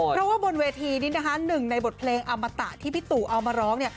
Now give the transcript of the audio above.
เพราะว่าบนเวทีนี้นะคะหนึ่งในบทเพลงอมตะที่พี่ตู่เอามาร้องเนี่ย